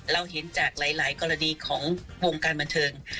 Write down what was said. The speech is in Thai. เราเห็นจากหลายกรณีของวงการบันเทิง